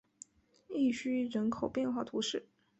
伊叙人口变化图示